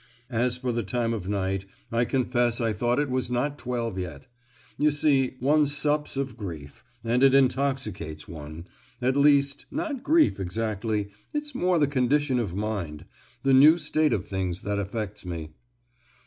As for the time of night, I confess I thought it was not twelve yet! You see, one sups of grief, and it intoxicates one,—at least, not grief, exactly, it's more the condition of mind—the new state of things that affects me."